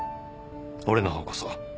俺のほうこそ。